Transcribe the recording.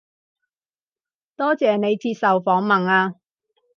多謝你接受訪問啊